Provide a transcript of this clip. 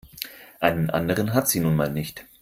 Einen anderen hat sie nun mal nicht.